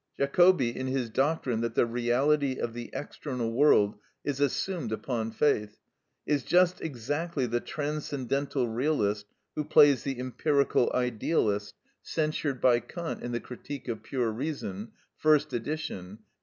Jacobi, in his doctrine that the reality of the external world is assumed upon faith, is just exactly "the transcendental realist who plays the empirical idealist" censured by Kant in the "Critique of Pure Reason," first edition, p.